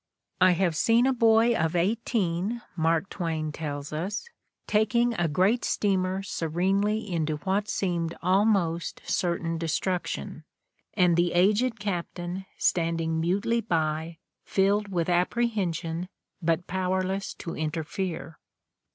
"I have seen a boy of eighteen," Mark Twain tells us, 46 The Ordeal of Mark Twain "taking a great steamer serenely into what seemed almost certain destruction, and the aged captain stand ing mutely by, filled with apprehension but powerless to interfere."